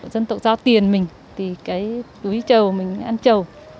dân tộc dao tiền mình thì cái túi chầu mình ăn chầu